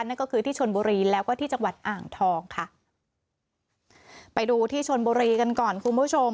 นั่นก็คือที่ชนบุรีแล้วก็ที่จังหวัดอ่างทองค่ะไปดูที่ชนบุรีกันก่อนคุณผู้ชม